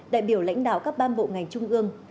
đại biểu lãnh đạo các ban bộ ngành trung ương